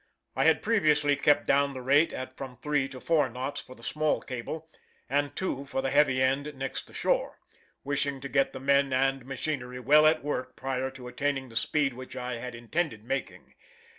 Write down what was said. I had previously kept down the rate at from three to four knots for the small cable, and two for the heavy end next the shore, wishing to get the men and machinery well at work prior to attaining the speed which I had intended making.